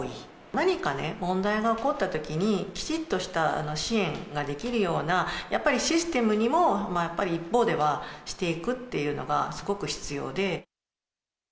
何かね、問題が起こったときに、きちっとした支援ができるような、やっぱりシステムにも、やっぱり一方ではしていくっていうのがすごく必要で。